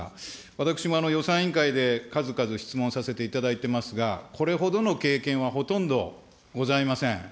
私も予算委員会で数々質問させていただいてますが、これほどの経験はほとんどございません。